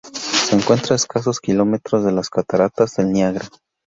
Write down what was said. Se encuentra a escasos kilómetros de las Cataratas del Niágara.